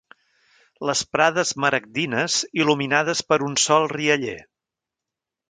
Les prades maragdines, il·luminades per un sol rialler.